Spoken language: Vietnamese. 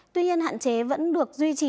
tuy nhiên hạn chế vẫn được duy trì